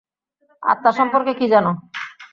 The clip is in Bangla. আত্মা সম্পর্কে কী জানো?